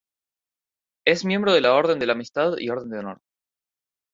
Es miembro de la Orden de la Amistad y Orden de Honor.